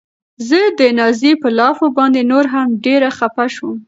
زه د نازيې په لافو باندې نوره هم ډېره خپه شوم.